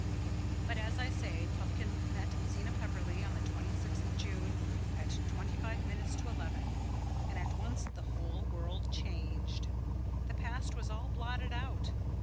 But, as I say, Pupkin met Zena Pepperleigh on the 26th of June, at twenty five minutes to eleven. And at once the whole world changed. The past was all blotted out.